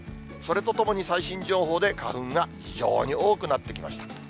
それとともに最新情報で花粉が非常に多くなってきました。